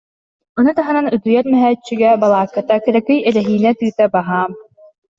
Ону таһынан утуйар мөһөөччүгэ, балаакката, кыракый эрэһиинэ тыыта баһаам